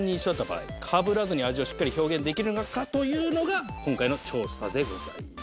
場合かぶらずに味をしっかり表現できるのか？というのが今回の調査でございます。